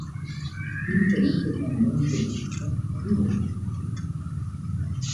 Il Tenente Comandante Data arriva a bordo.